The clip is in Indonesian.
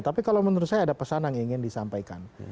tapi kalau menurut saya ada pesan yang ingin disampaikan